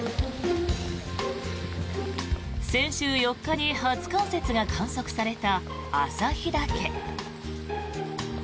先週４日に初冠雪が観測された旭岳。